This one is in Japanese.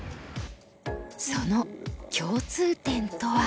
その共通点とは。